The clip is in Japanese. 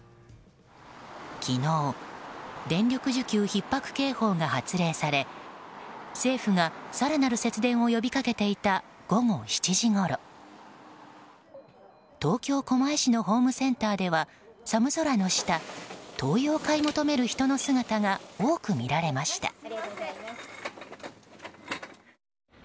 昨日、電力需給ひっ迫警報が発令され政府が更なる節電を呼びかけていた午後７時ごろ東京・狛江市のホームセンターでは寒空の下灯油を買い求める人の姿が多く見られました。